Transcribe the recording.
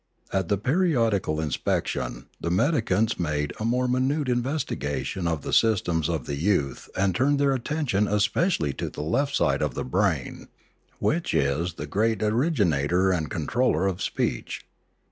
At the periodical inspection, the medicants made a more minute investigation of the systems of the youth and An Epidemic 395 turned their attention especially to the left side of the brain, which is the great originator and controller of speech.